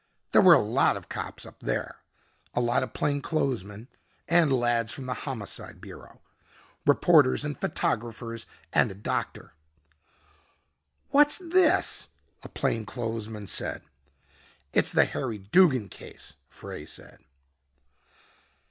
There were a lot of cops up there, a lot of plain clothes men and lads from the homicide bureau. Reporters and photographers and a doctor. "What's this?" a plain clothes man said. "It's the Harry Duggin case," Frey said.